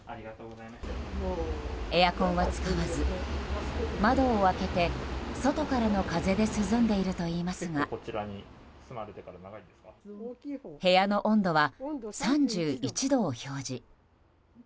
エアコンは使わず窓を開けて外からの風で涼んでいるといいますが部屋の温度は３１度を表示。